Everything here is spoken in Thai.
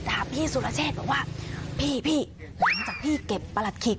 ถามพี่สุรเชษบอกว่าพี่พี่หลังจากพี่เก็บประหลัดขิก